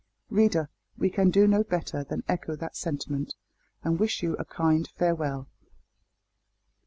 Reader, we can do no better than echo that sentiment, and wish you a kind farewell.